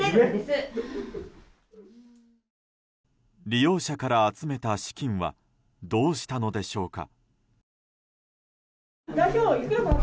利用者から集めた資金はどうしたのでしょうか？